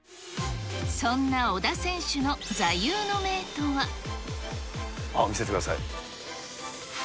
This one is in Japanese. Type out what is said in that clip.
そんな小田選手の座右の銘と見せてください。